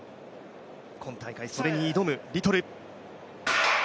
今大会、それに挑むリトル。